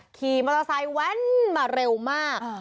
ขี่มอเตอร์ไซค์แว้นมาเร็วมาก